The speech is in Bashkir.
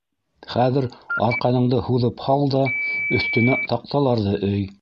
Хәҙер арҡаныңды һуҙып һал да өҫтөнә таҡталарҙы өй.